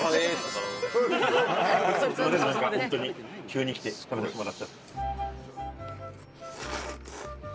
ホントに急に来て食べさせてもらっちゃって。